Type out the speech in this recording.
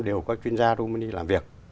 đều có chuyên gia kumani làm việc